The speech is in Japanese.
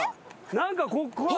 何かこっから。